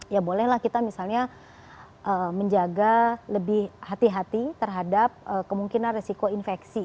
ya bolehlah kita misalnya menjaga lebih hati hati terhadap kemungkinan resiko infeksi